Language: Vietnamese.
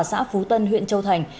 xã phú tân huyện châu thành